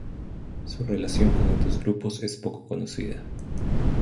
Su relación con otros grupos es poco conocida.